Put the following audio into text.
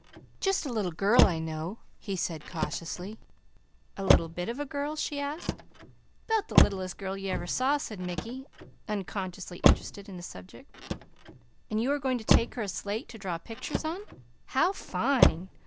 "Just a little girl I know," he said cautiously. "A little bit of a girl?" she asked. "'Bout the littlest girl you ever saw," said Mickey, unconsciously interested in the subject. "And you are going to take her a slate to draw pictures on? How fine!